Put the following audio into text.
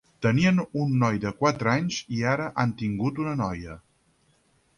Tenien un noi de quatre anys i ara han tingut una noia.